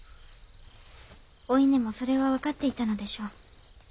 お稲もそれは分かっていたのでしょう。